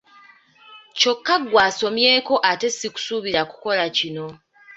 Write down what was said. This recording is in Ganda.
Kyokka ggwe asomyeko ate si kusuubira kukola kino.